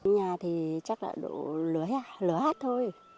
nhà thì chắc là lửa hát thôi